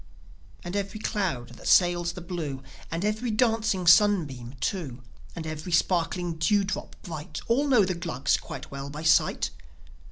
And every cloud that sails the blue, And every dancing sunbeam too, And every sparkling dewdrop bright All know the Glugs quite well by sight.